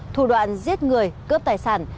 thủ đoạn giết người cướp tài sản